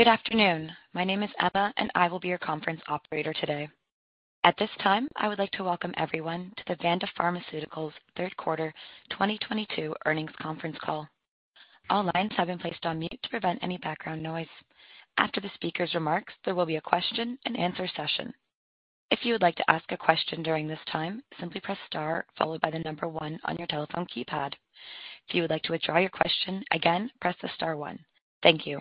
Good afternoon, my name is Emma and I will be your conference operator today. At this time, I would like to welcome everyone to the Vanda Pharmaceuticals third quarter 2022 earnings conference call. All lines have been placed on mute to prevent any background noise. After the speaker's remarks, there will be a question-and-answer session. If you would like to ask a question during this time, simply press star followed by the number one on your telephone keypad. If you would like to withdraw your question, again, press the star one. Thank you.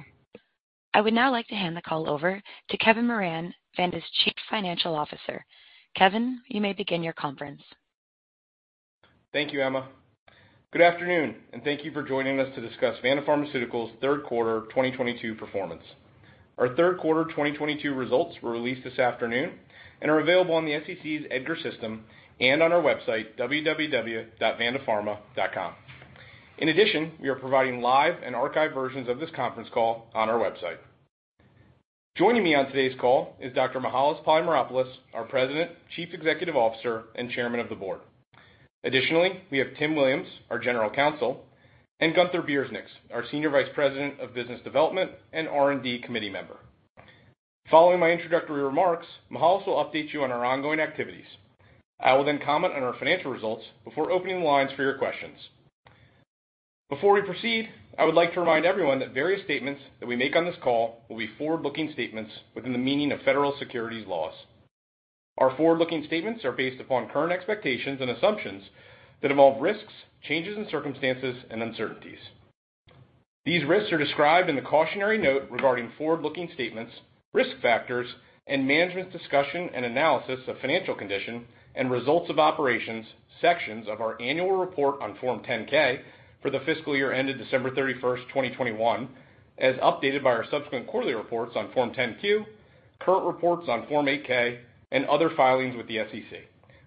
I would now like to hand the call over to Kevin Moran, Vanda's Chief Financial Officer. Kevin, you may begin your conference. Thank you, Emma. Good afternoon, and thank you for joining us to discuss Vanda Pharmaceuticals third quarter 2022 performance. Our third quarter 2022 results were released this afternoon and are available on the SEC's EDGAR system and on our website www.vandapharma.com. In addition, we are providing live and archived versions of this conference call on our website. Joining me on today's call is Dr. Mihael Polymeropoulos, our President, Chief Executive Officer, and Chairman of the Board. Additionally, we have Tim Williams, our General Counsel, and Gunther Birznieks, our Senior Vice President of Business Development and R&D committee member. Following my introductory remarks, Mihael will update you on our ongoing activities. I will then comment on our financial results before opening the lines for your questions. Before we proceed, I would like to remind everyone that various statements that we make on this call will be forward-looking statements within the meaning of federal securities laws. Our forward-looking statements are based upon current expectations and assumptions that involve risks, changes in circumstances and uncertainties. These risks are described in the cautionary note regarding forward-looking statements, risk factors, and management's discussion and analysis of financial condition and results of operations sections of our annual report on Form 10-K for the fiscal year ended December 31st, 2021, as updated by our subsequent quarterly reports on Form 10-Q, current reports on Form 8-K, and other filings with the SEC,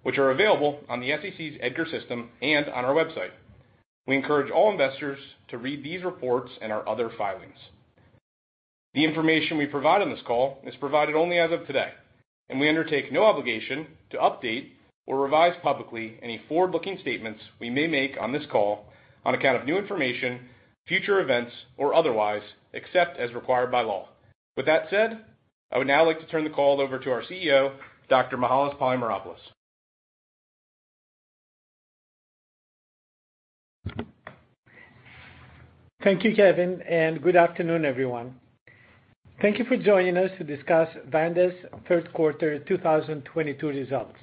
which are available on the SEC's EDGAR system and on our website. We encourage all investors to read these reports and our other filings. The information we provide on this call is provided only as of today, and we undertake no obligation to update or revise publicly any forward-looking statements we may make on this call on account of new information, future events, or otherwise, except as required by law. With that said, I would now like to turn the call over to our CEO, Dr. Mihael Polymeropoulos. Thank you, Kevin, and good afternoon, everyone. Thank you for joining us to discuss Vanda's third quarter 2022 results.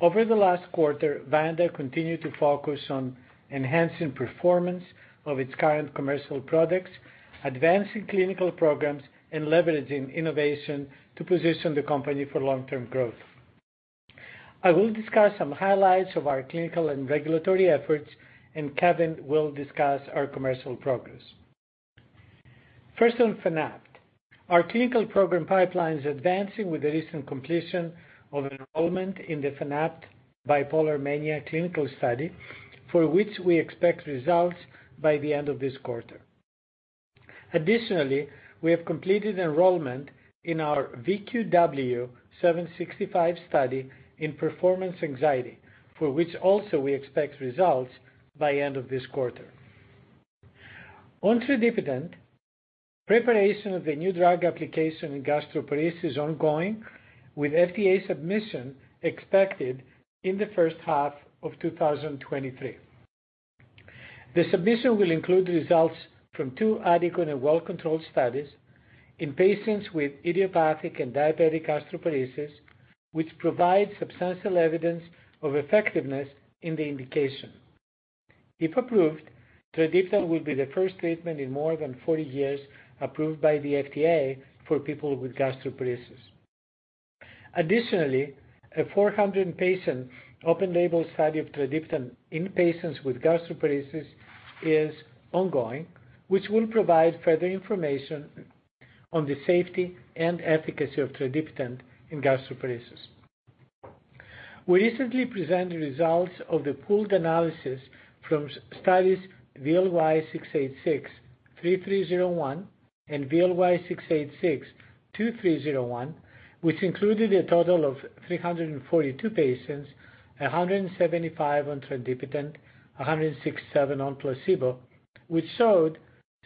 Over the last quarter, Vanda continued to focus on enhancing performance of its current commercial products, advancing clinical programs, and leveraging innovation to position the company for long-term growth. I will discuss some highlights of our clinical and regulatory efforts, and Kevin will discuss our commercial progress. First on Fanapt. Our clinical program pipeline is advancing with the recent completion of enrollment in the Fanapt bipolar mania clinical study, for which we expect results by the end of this quarter. Additionally, we have completed enrollment in our VQW-765 study in performance anxiety, for which also we expect results by end of this quarter. On tradipitant. Preparation of the new drug application in gastroparesis is ongoing, with FDA submission expected in the first half of 2023. The submission will include the results from two adequate and well-controlled studies in patients with idiopathic and diabetic gastroparesis, which provide substantial evidence of effectiveness in the indication. If approved, tradipitant will be the first treatment in more than 40 years approved by the FDA for people with gastroparesis. Additionally, a 400-patient open label study of tradipitant in patients with gastroparesis is ongoing, which will provide further information on the safety and efficacy of tradipitant in gastroparesis. We recently presented results of the pooled analysis from studies VLY-686-3301 and VLY-686-2301, which included a total of 342 patients, 175 on tradipitant, 167 on placebo, which showed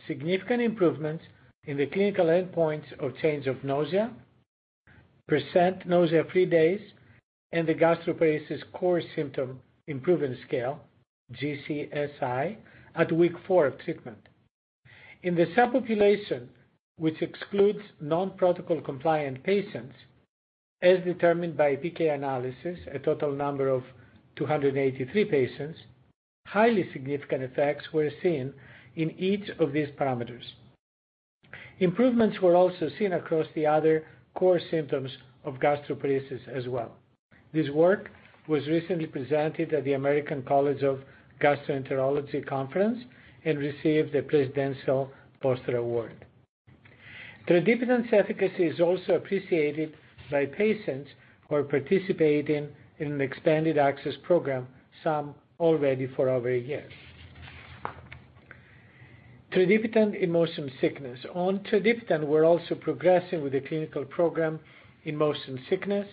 significant improvements in the clinical endpoints of change of nausea, percent nausea-free days, and the gastroparesis core symptom improvement scale, GCSI, at week 4 of treatment. In the subpopulation, which excludes non-protocol compliant patients, as determined by PK analysis, a total number of 283 patients, highly significant effects were seen in each of these parameters. Improvements were also seen across the other core symptoms of gastroparesis as well. This work was recently presented at the American College of Gastroenterology conference and received the Presidential Poster Award. Tradipitant's efficacy is also appreciated by patients who are participating in an expanded access program, some already for over a year. Tradipitant in motion sickness. On tradipitant, we're also progressing with the clinical program in motion sickness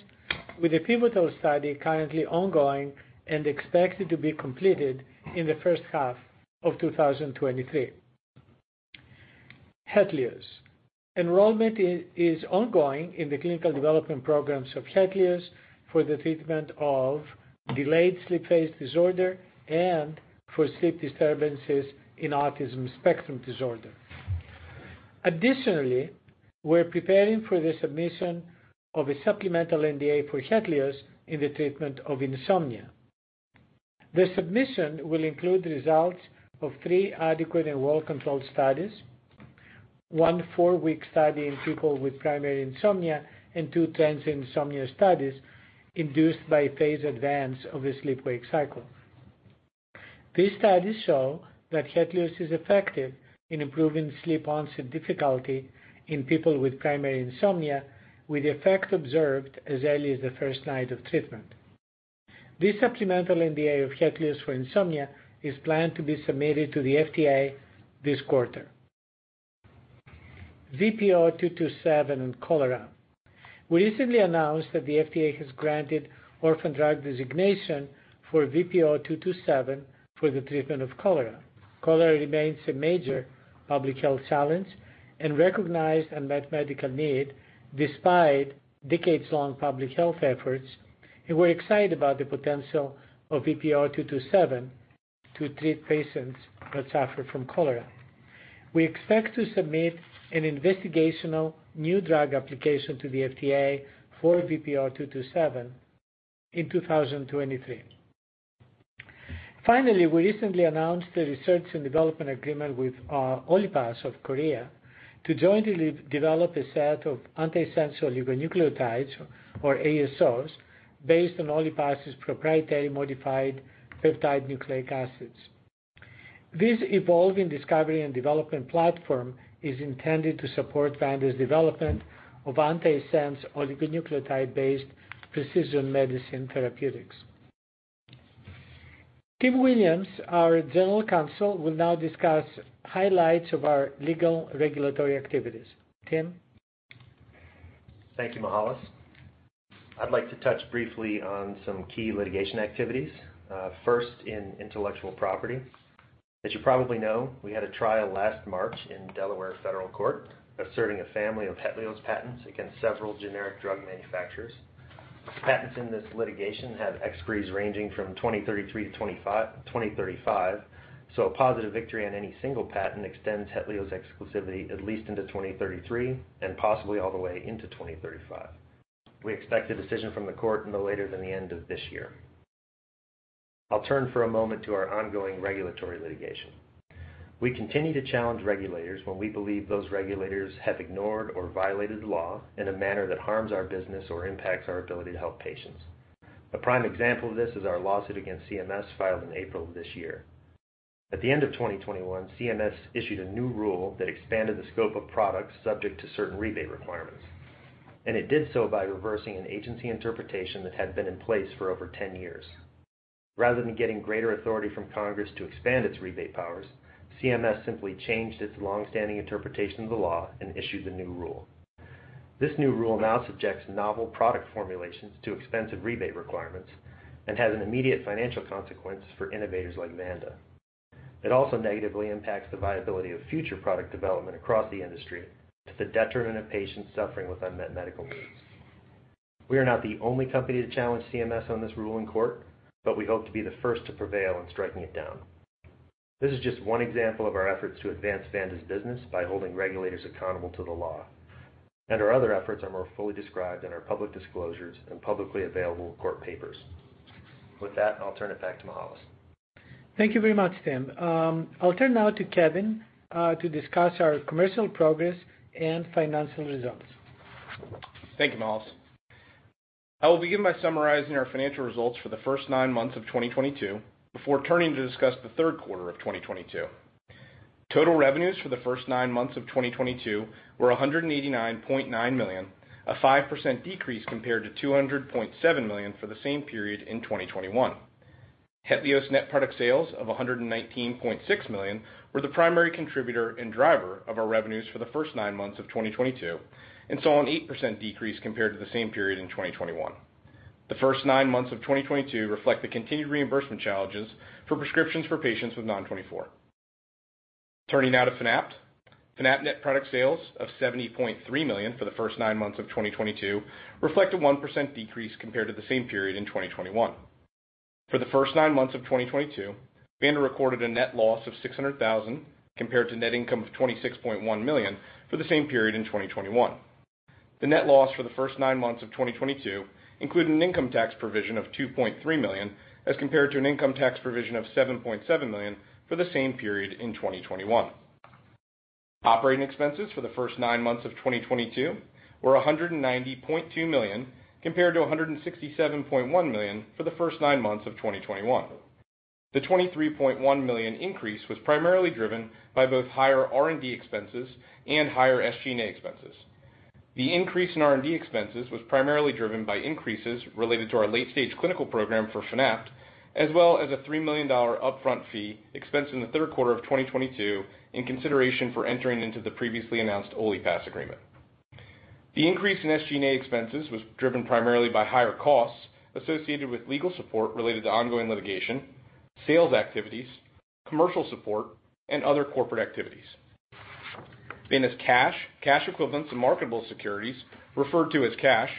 with a pivotal study currently ongoing and expected to be completed in the first half of 2023. Hetlioz. Enrollment is ongoing in the clinical development programs of Hetlioz for the treatment of delayed sleep phase disorder and for sleep disturbances in autism spectrum disorder. Additionally, we're preparing for the submission of a sNDA for Hetlioz in the treatment of insomnia. The submission will include results of three adequate and well-controlled studies. One four-week study in people with primary insomnia and two transient insomnia studies induced by phase advance of a sleep-wake cycle. These studies show that Hetlioz is effective in improving sleep onset difficulty in people with primary insomnia, with effect observed as early as the first night of treatment. This supplemental NDA of Hetlioz for insomnia is planned to be submitted to the FDA this quarter. VPO-227 and cholera. We recently announced that the FDA has granted orphan drug designation for VPO-227 for the treatment of cholera. Cholera remains a major public health challenge and recognized unmet medical need despite decades-long public health efforts, and we're excited about the potential of VPO-227 to treat patients that suffer from cholera. We expect to submit an investigational new drug application to the FDA for VPO-227 in 2023. Finally, we recently announced a research and development agreement with OliPass of Korea to jointly co-develop a set of antisense oligonucleotides, or ASOs, based on OliPass' proprietary modified peptide nucleic acids. This evolving discovery and development platform is intended to support Vanda's development of antisense oligonucleotide-based precision medicine therapeutics. Tim Williams, our General Counsel, will now discuss highlights of our legal and regulatory activities. Tim? Thank you, Mihael. I'd like to touch briefly on some key litigation activities, first in intellectual property. As you probably know, we had a trial last March in Delaware Federal Court asserting a family of Hetlioz patents against several generic drug manufacturers. Patents in this litigation have expiries ranging from 2033-2035, so a positive victory on any single patent extends Hetlioz exclusivity at least into 2033 and possibly all the way into 2035. We expect a decision from the court no later than the end of this year. I'll turn for a moment to our ongoing regulatory litigation. We continue to challenge regulators when we believe those regulators have ignored or violated the law in a manner that harms our business or impacts our ability to help patients. A prime example of this is our lawsuit against CMS filed in April of this year. At the end of 2021, CMS issued a new rule that expanded the scope of products subject to certain rebate requirements. It did so by reversing an agency interpretation that had been in place for over 10 years. Rather than getting greater authority from Congress to expand its rebate powers, CMS simply changed its long-standing interpretation of the law and issued the new rule. This new rule now subjects novel product formulations to expensive rebate requirements and has an immediate financial consequence for innovators like Vanda. It also negatively impacts the viability of future product development across the industry to the detriment of patients suffering with unmet medical needs. We are not the only company to challenge CMS on this rule in court, but we hope to be the first to prevail in striking it down. This is just one example of our efforts to advance Vanda's business by holding regulators accountable to the law, and our other efforts are more fully described in our public disclosures and publicly available court papers. With that, I'll turn it back to Mihael. Thank you very much, Tim. I'll turn now to Kevin to discuss our commercial progress and financial results. Thank you, Mihael. I will begin by summarizing our financial results for the first nine months of 2022 before turning to discuss the third quarter of 2022. Total revenues for the first nine months of 2022 were $189.9 million, a 5% decrease compared to $200.7 million for the same period in 2021. Hetlioz net product sales of $119.6 million were the primary contributor and driver of our revenues for the first nine months of 2022 and saw an 8% decrease compared to the same period in 2021. The first nine months of 2022 reflect the continued reimbursement challenges for prescriptions for patients with NON24. Turning now to Fanapt. Fanapt net product sales of $70.3 million for the first nine months of 2022 reflect a 1% decrease compared to the same period in 2021. For the first nine months of 2022, Vanda recorded a net loss of $600,000 compared to net income of $26.1 million for the same period in 2021. The net loss for the first nine months of 2022 include an income tax provision of $2.3 million, as compared to an income tax provision of $7.7 million for the same period in 2021. Operating expenses for the first nine months of 2022 were $190.2 million, compared to $167.1 million for the first nine months of 2021. The $23.1 million increase was primarily driven by both higher R&D expenses and higher SG&A expenses. The increase in R&D expenses was primarily driven by increases related to our late-stage clinical program for Fanapt, as well as a $3 million upfront fee expensed in the third quarter of 2022 in consideration for entering into the previously announced OliPass agreement. The increase in SG&A expenses was driven primarily by higher costs associated with legal support related to ongoing litigation, sales activities, commercial support, and other corporate activities. Vanda's cash equivalents and marketable securities, referred to as cash,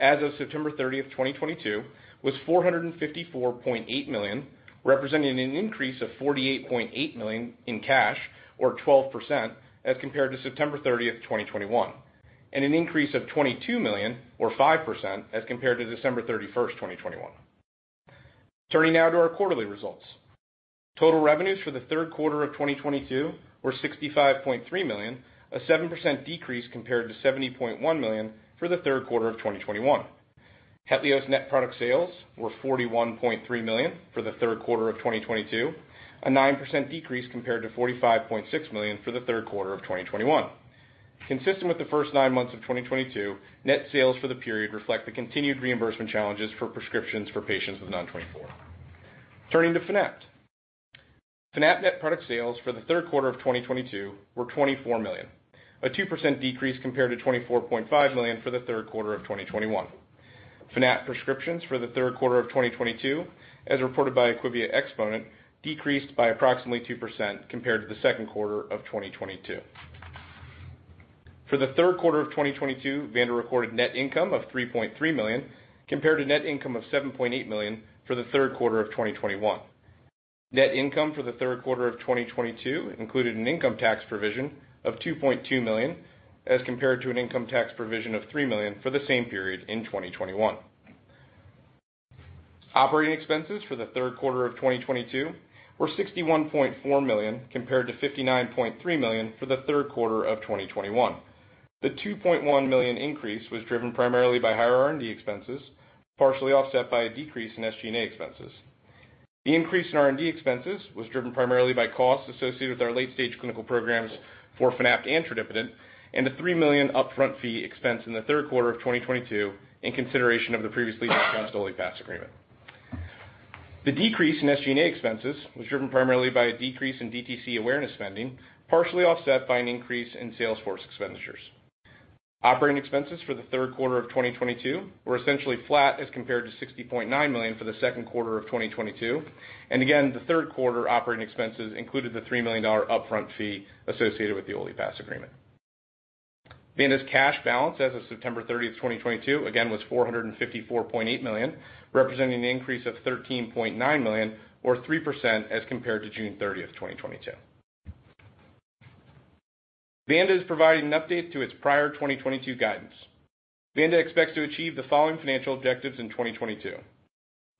as of September 30th, 2022 was $454.8 million, representing an increase of $48.8 million in cash or 12% as compared to September 30th, 2021, and an increase of $22 million or 5% as compared to December 31st, 2021. Turning now to our quarterly results. Total revenues for the third quarter of 2022 were $65.3 million, a 7% decrease compared to $70.1 million for the third quarter of 2021. Hetlioz net product sales were $41.3 million for the third quarter of 2022, a 9% decrease compared to $45.6 million for the third quarter of 2021. Consistent with the first nine months of 2022, net sales for the period reflect the continued reimbursement challenges for prescriptions for patients with NON24. Turning to Fanapt. Fanapt net product sales for the third quarter of 2022 were $24 million, a 2% decrease compared to $24.5 million for the third quarter of 2021. Fanapt prescriptions for the third quarter of 2022, as reported by IQVIA Xponent, decreased by approximately 2% compared to the second quarter of 2022. For the third quarter of 2022, Vanda recorded net income of $3.3 million compared to net income of $7.8 million for the third quarter of 2021. Net income for the third quarter of 2022 included an income tax provision of $2.2 million as compared to an income tax provision of $3 million for the same period in 2021. Operating expenses for the third quarter of 2022 were $61.4 million compared to $59.3 million for the third quarter of 2021. The $2.1 million increase was driven primarily by higher R&D expenses, partially offset by a decrease in SG&A expenses. The increase in R&D expenses was driven primarily by costs associated with our late-stage clinical programs for Fanapt and tradipitant, and the $3 million upfront fee expense in the third quarter of 2022 in consideration of the previously discussed OliPass agreement. The decrease in SG&A expenses was driven primarily by a decrease in DTC awareness spending, partially offset by an increase in sales force expenditures. Operating expenses for the third quarter of 2022 were essentially flat as compared to $60.9 million for the second quarter of 2022. Again, the third quarter operating expenses included the $3 million upfront fee associated with the OliPass agreement. Vanda's cash balance as of September 30th, 2022, again, was $454.8 million, representing an increase of $13.9 million or 3% as compared to June 30th, 2022. Vanda is providing an update to its prior 2022 guidance. Vanda expects to achieve the following financial objectives in 2022.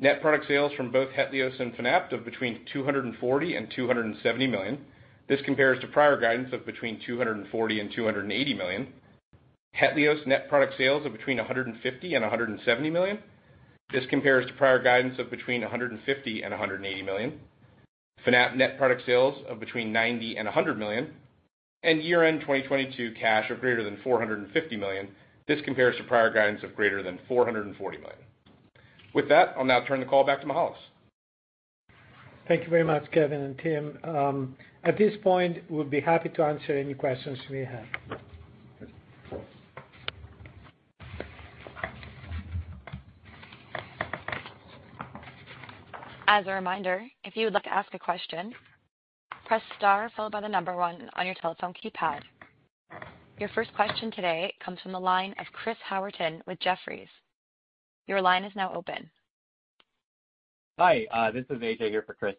Net product sales from both Hetlioz and Fanapt of between $240 million and $270 million. This compares to prior guidance of between $240 million and $280 million. Hetlioz net product sales of between $150 million and $170 million. This compares to prior guidance of between $150 million and $180 million. Fanapt net product sales of between $90 million and $100 million. Year-end 2022 cash of greater than $450 million. This compares to prior guidance of greater than $440 million. With that, I'll now turn the call back to Mihael. Thank you very much, Kevin and Tim. At this point, we'll be happy to answer any questions we have. As a reminder, if you would like to ask a question, press star followed by the number on your telephone keypad. Your first question today comes from the line of Chris Howerton with Jefferies. Your line is now open. Hi. This is AJ here for Chris.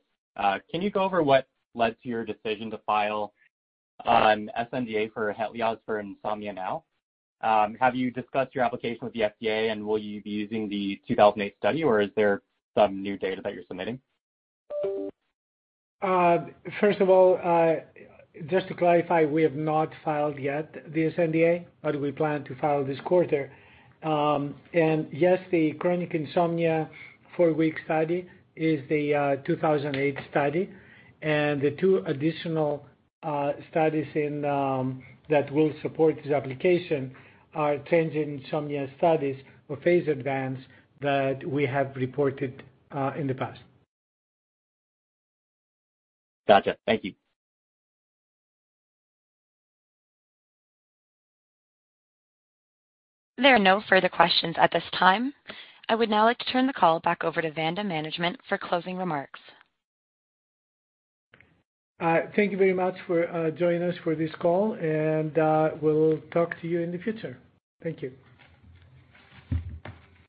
Can you go over what led to your decision to file an sNDA for Hetlioz for insomnia now? Have you discussed your application with the FDA, and will you be using the 2008 study, or is there some new data that you're submitting? First of all, just to clarify, we have not filed yet the sNDA, but we plan to file this quarter. Yes, the chronic insomnia four-week study is the 2008 study. The two additional studies that will support this application are circadian insomnia studies for phase advance that we have reported in the past. Gotcha. Thank you. There are no further questions at this time. I would now like to turn the call back over to Vanda management for closing remarks. Thank you very much for joining us for this call, and we'll talk to you in the future. Thank you.